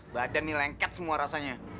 badan ini lengket semua rasanya